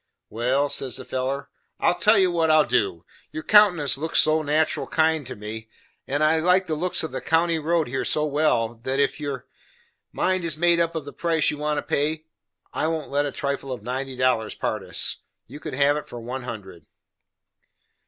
"Well," says the feller, "I'll tell you what I'll do. Your countenance looks so kinder natural to me, and I like the looks of the country round here so well, that if your mind is made up on the price you want to pay, I won't let a trifle of ninety dollars part us. You can have it for one hundred."